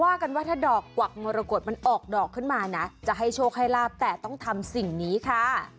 ว่ากันว่าถ้าดอกกวักมรกฏมันออกดอกขึ้นมานะจะให้โชคให้ลาบแต่ต้องทำสิ่งนี้ค่ะ